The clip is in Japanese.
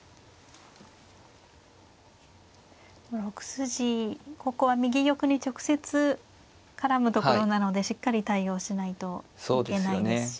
６筋ここは右玉に直接絡むところなのでしっかり対応しないといけないですし。